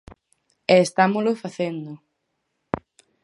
E estámolo facendo.